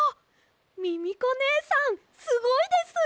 ミミコねえさんすごいです！